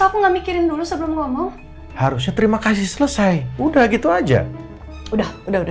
aku nggak mikirin dulu sebelum ngomong harusnya terima kasih selesai udah gitu aja udah udah udah